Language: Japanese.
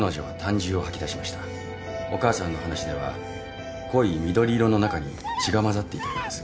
お母さんの話では濃い緑色の中に血が混ざっていたようです。